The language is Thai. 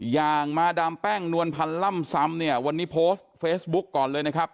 อย่างมาดามแป้งนวลพันธ์ล่ำซ้ำเนี่ยวันนี้โพสต์เฟซบุ๊กก่อนเลยนะครับ